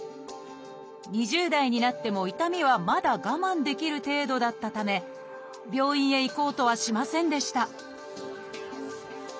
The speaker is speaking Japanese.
２０代になっても痛みはまだ我慢できる程度だったため病院へ行こうとはしませんでした